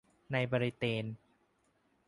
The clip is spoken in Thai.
ในบริเตน